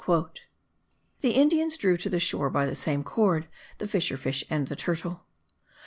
The Indians drew to the shore by the same cord the fisher fish and the turtle.